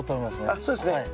あっそうですね。